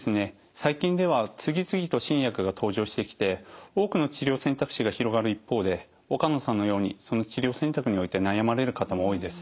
最近では次々と新薬が登場してきて多くの治療選択肢が広がる一方で岡野さんのようにその治療選択において悩まれる方も多いです。